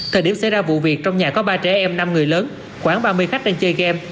thời điểm xảy ra vụ việc trong nhà có ba trẻ em năm người lớn khoảng ba mươi khách đang chơi game